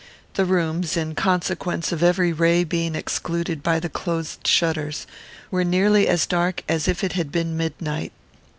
The rooms, in consequence of every ray being excluded by the closed shutters, were nearly as dark as if it had been midnight.